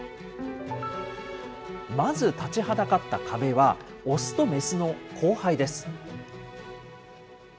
まず立ちはだかった壁は、雄と雌の交配です。